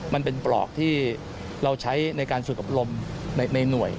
มันเป็นปลอกที่เราใช้ในการฝึกอบรมในหน่วย